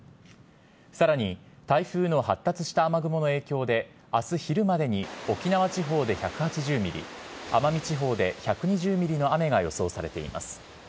さらに台風の発達した雨雲の影響で、あす昼までに沖縄地方で１８０ミリ、奄美地方で１２０ミリの雨が予想されています。